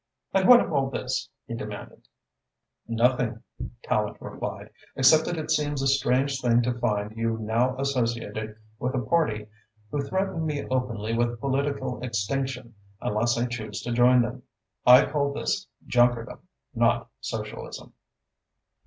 "And what of all this?" he demanded. "Nothing," Tallente replied, "except that it seems a strange thing to find you now associated with a party who threaten me openly with political extinction unless I choose to join them. I call this junkerdom, not socialism."